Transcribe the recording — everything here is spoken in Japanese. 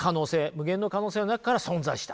無限の可能性の中から存在した。